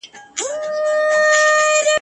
په هندوستان كي نن هم